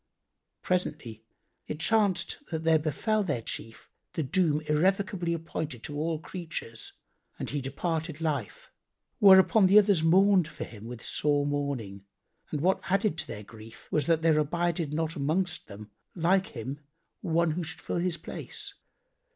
Presently it chanced that there befel their chief the doom irrevocably appointed to all creatures and he departed life;[FN#89] whereupon the others mourned for him with sore mourning, and what added to their grief was that there abided not amongst them like him one who should fill his place.